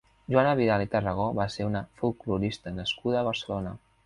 Joana Vidal i Tarragó va ser una folklorista nascuda a Barcelona.